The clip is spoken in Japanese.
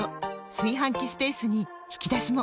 炊飯器スペースに引き出しも！